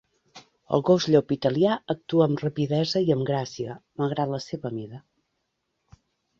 El gos llop italià actua amb rapidesa i amb gràcia, malgrat la seva mida.